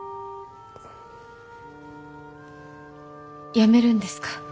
辞めるんですか？